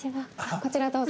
こちらへどうぞ。